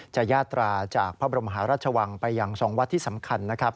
ยาตราจากพระบรมหาราชวังไปยังทรงวัดที่สำคัญนะครับ